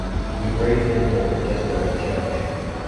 The Greys did more than just go to church.